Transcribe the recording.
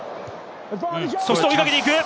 そして追いかけていく！